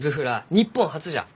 日本初じゃ。